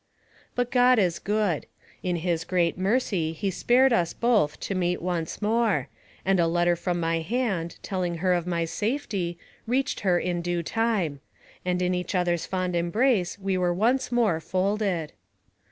But God is good. In his great mercy he spared us both, to meet once more, and a letter from my hand, telling her of my safety, reached her in due time ; and in each other's fond embrace we were once more folded.